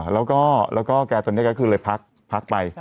แล้ววววกรัสตอนนี้ก็คือเลยลักษณะพักเอาไป